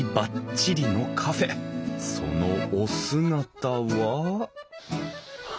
そのお姿は？